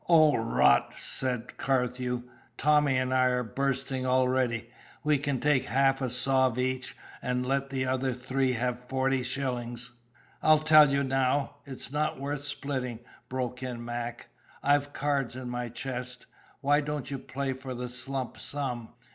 "O, rot!" said Carthew. "Tommy and I are bursting already. We can take half a sov' each, and let the other three have forty shillings." "I'll tell you now it's not worth splitting," broke in Mac. "I've cards in my chest. Why don't you play for the slump sum?"